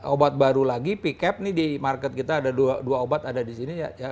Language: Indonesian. obat baru lagi picap nih di market kita ada dua obat ada di sini